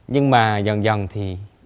nhưng mà dần dần thì